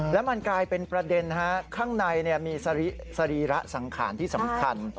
แล้วมันกลายเป็นประเด็นข้างในมีสรีระสังขารที่สำคัญ